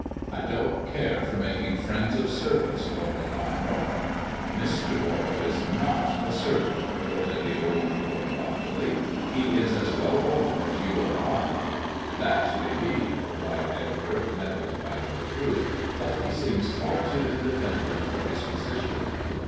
"I don't care for making friends of servants. Lord Lelanro." " Mr. Warwick is not a servant," retorted the old lord loftily ;" he is as well born as you or I." "That may be," replied Edgar, nettled by the reproof, "but he seems far too independent for his position."